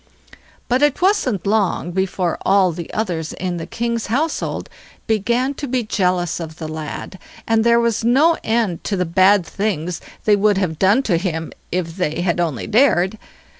But it wasn't long before all the others in the king's household began to be jealous of the lad, and there was no end to the bad things they would have done to him, if they had only dared.